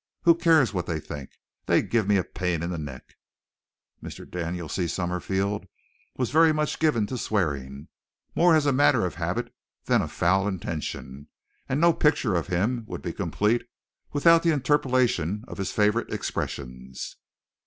Who cares what they think? They give me a pain in the neck." Mr. Daniel C. Summerfield was very much given to swearing, more as a matter of habit than of foul intention, and no picture of him would be complete without the interpolation of his favorite expressions.